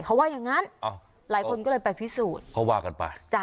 เขาว่าอย่างงั้นอ้าวหลายคนก็เลยไปพิสูจน์เขาว่ากันไปจ้ะ